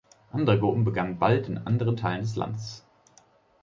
Andere Gruppen begannen bald in anderen Teilen des Landes.